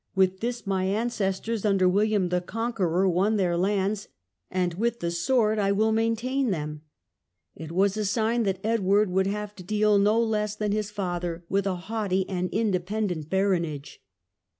With this my ances tors under William the Conqueror won their lands, and with the sword I will maintain them." It was a sign that Edward would have to deal, no less than his father, with a haughty and independent baronage.